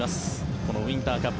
このウインターカップ。